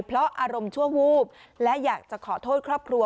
เพราะอารมณ์ชั่ววูบและอยากจะขอโทษครอบครัว